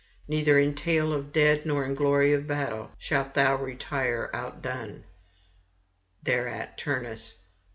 Neither in tale of dead nor in glory of battle shalt thou retire outdone.' Thereat Turnus